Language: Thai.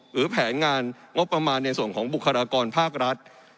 แผนงานงบประมาณในส่วนของบุคลากรภาครัฐ